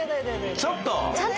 ちょっと。